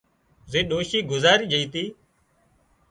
زي ڏوشي گذارِي جھئي تِي